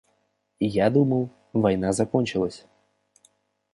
Я думал, война закончилась.